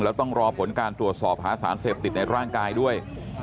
แล้วต้องรอผลการตรวจสอบหาสารเสพติดในร่างกายด้วย